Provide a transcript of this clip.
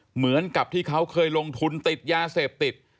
เหมือนกับที่เขาเคยลงทุนติดยาเสพติด